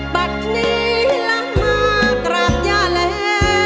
บัตรนี้ละมากราบย่าแล้ว